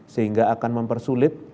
sehingga akan mempersulit